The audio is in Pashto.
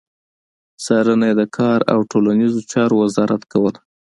څارنه يې د کار او ټولنيزو چارو وزارت کوله.